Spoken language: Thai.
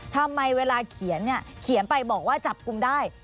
ทำไมเวลาเขียนเนี่ยเขียนไปบอกว่าจับกลุ่มได้